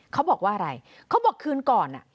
เขาบอกว่าอะไรเขาบอกคืนก่อน